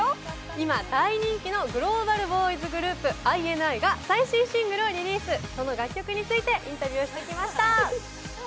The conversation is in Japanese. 今、大人気のグローバルボーイズグループ、ＩＮＩが最新シングルをリリース、その楽曲についてインタビューしてきました。